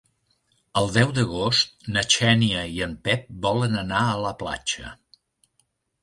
El deu d'agost na Xènia i en Pep volen anar a la platja.